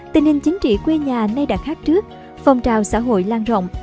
tình hình chính trị quê nhà nay đã khác trước phong trào xã hội lan rộng